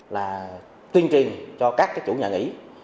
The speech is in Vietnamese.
là tuyên truyền cho các chủ nhà nghỉ